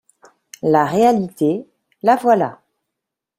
La réalité, la voilà.